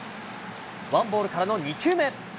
ワンボールからの２球目。